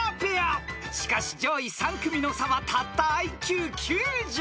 ［しかし上位３組の差はたったＩＱ９０］